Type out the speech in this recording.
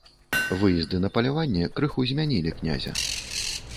Выезды на паляванне крыху змянілі князя.